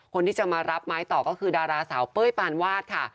คนที่จะมารับไม้ต่อก็คือดาราสาวเป้ยปานวาดค่ะ